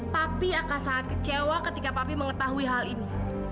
tapi akan sangat kecewa ketika papi mengetahui hal ini